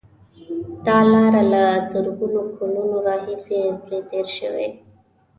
دا لاره له زرګونو کلونو راهیسې پرې تېر شوي.